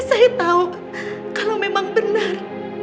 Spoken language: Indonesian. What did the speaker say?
saya tahu kalau memang benar